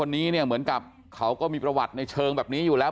นี่ฮะเขาก็มีประวัติในเชิงแบบนี้อยู่แล้ว